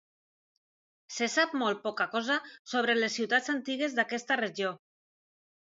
Se sap molt poca cosa sobre les ciutats antigues d’aquesta regió.